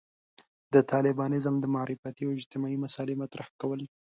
د طالبانيزم د معرفتي او اجتماعي مسألې مطرح کول.